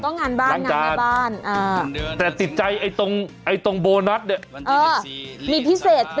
ก็งานบ้านงานในบ้านแต่ติดใจไอตรงโบนัสเนี่ย